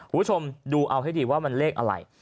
คุณผู้ชมดูเอาให้ดีว่ามันเลขอะไร